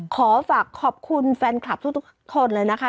ขอฝากขอบคุณแฟนคลับทุกคนเลยนะคะ